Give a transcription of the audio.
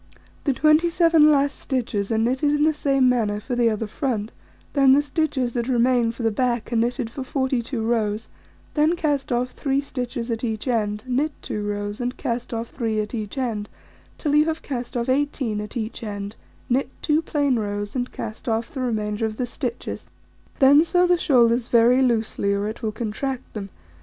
The 27 last stitches are knitted in the same manner for the other front; then the stitches that remain for the back are knitted for 42 rows; then cast off 3 stitches at each end, knit 2 rows, and cast off 3 at each end, till you have cast off 18 at each end, knit 2 plain rows, and cast off the remainder of the stitches; then sew the shoulders very loosely, or it will contract them.